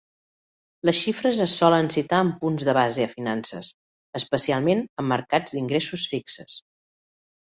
Les xifres es solen citar en punts de base a finances, especialment en mercats d'ingressos fixes.